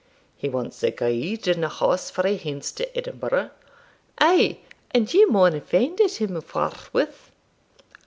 'He wants a guide and a horse frae hence to Edinburgh?' 'Ay, and ye maun find it him forthwith.'